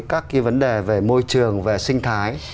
các cái vấn đề về môi trường về sinh thái